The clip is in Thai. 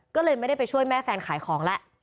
ก็เลยไม่ได้ไปช่วยแม่แฟนขายของแล้ว